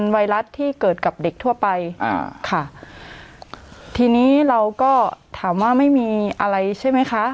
ไวรัสที่เกิดกับเด็กทั่วไปอ่าค่ะทีนี้เราก็ถามว่าไม่มีอะไรใช่ไหมคะ